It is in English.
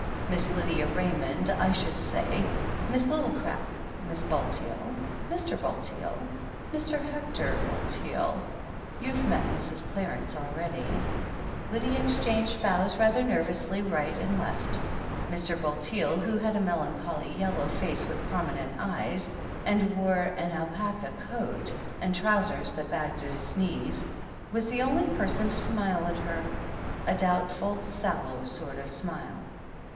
Miss Lydia Ray mond, I should say. Miss Lillicrap — Mrs. Bulteel — Mr. Bulteel — Mr. Hector Bulteel — ^you've met Mrs. Qarence already " Lydia exchanged bows rather nervously right and left. Mr. Bulteel, who had a melancholy yellow face with prominent eyes, and wore an alpaca coat, and trousers that bagged at the knees, was the only person to smile at her — b, doubtful, sallow sort of smile.